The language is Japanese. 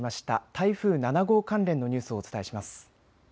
台風７号関連のニュースをお伝えします。